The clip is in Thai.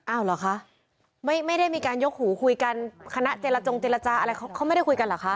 เหรอคะไม่ได้มีการยกหูคุยกันคณะเจรจงเจรจาอะไรเขาไม่ได้คุยกันเหรอคะ